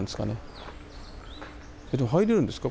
でも入れるんですか？